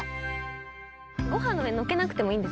ご飯の上に載っけなくてもいい？